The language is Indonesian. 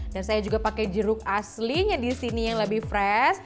dan saya juga pakai jeruk aslinya di sini yang lebih fresh